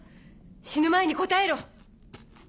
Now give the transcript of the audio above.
死ぬ前に答えろ！